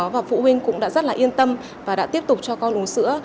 và phụ huynh cũng đã rất là yên tâm và đã tiếp tục cho con uống sữa